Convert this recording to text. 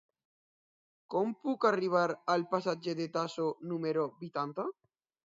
Com puc arribar al passatge de Tasso número vuitanta?